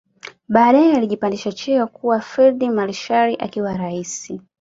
Baadae alijipandisha cheo kua field marshal akiwa raisi